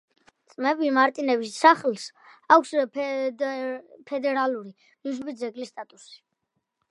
ძმები მარტინების სახლს აქვს ფედერალური მნიშვნელობის კულტურული მემკვიდრეობის ძეგლის სტატუსი.